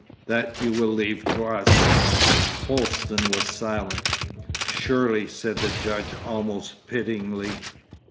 That you will leave to us.' Holsten was silent. 'Surely?' said the judge, almost pityingly.